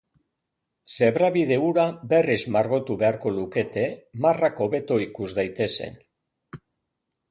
Zebrabide hura berriz margotu beharko lukete marrak hobeto ikus daitezen.